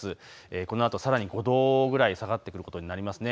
このあとさらに５度ぐらい下がってくることになりますね。